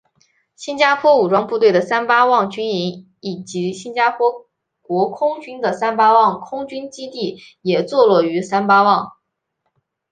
新加坡武装部队的三巴旺军营以及新加坡国空军的三巴旺空军基地也坐落与三吧旺。